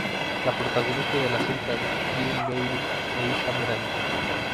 Los protagonistas de la cinta son Jean Gabin e Isa Miranda.